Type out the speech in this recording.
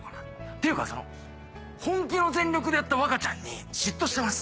ていうかその本気の全力でやった若ちゃんに嫉妬してます。